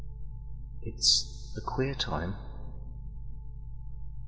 It's a queer time.